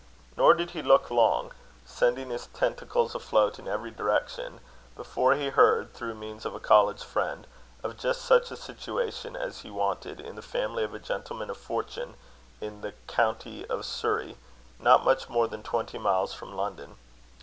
Nor did he look long, sending his tentacles afloat in every direction, before he heard, through means of a college friend, of just such a situation as he wanted, in the family of a gentleman of fortune in the county of Surrey, not much more than twenty miles from London.